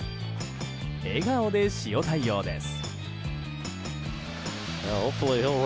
笑顔で塩対応です。